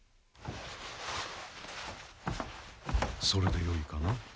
それでよいかな？